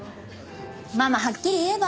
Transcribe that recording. ママはっきり言えば？